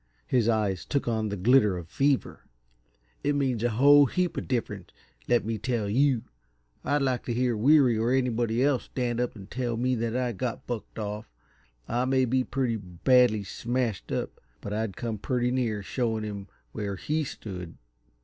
His eyes took on the glitter of fever. "It makes a whole heap of difference, let me tell you! I'd like to hear Weary or anybody else stand up and tell me that I got bucked off. I may be pretty badly smashed up, but I'd come pretty near showing him where he stood."